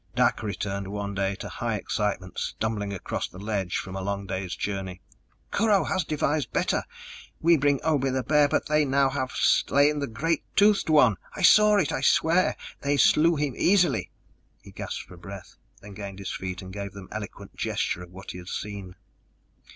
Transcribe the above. Dak returned one day in high excitement, stumbling across the ledge from a long day's journey. "Kurho has devised better! We bring Obe the Bear, but they have now slain the great toothed one. I saw it, I swear! They slew him easily!" He gasped for breath, then gained his feet and gave them eloquent gesture of what he had seen.